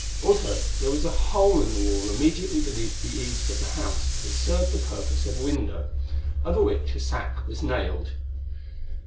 Also, there was a hole in the wall immediately beneath the eaves of the house that served the purpose of a window, over which a sack was nailed.